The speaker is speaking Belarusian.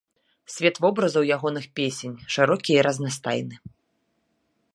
Свет вобразаў ягоных песень шырокі і разнастайны.